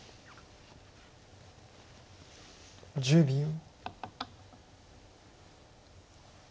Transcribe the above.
１０秒。